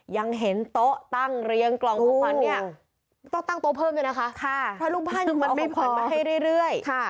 ยังเห็นโต๊ะตั้งเรียงกล่องของขวัญเนี่ย